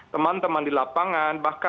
teman teman di lapangan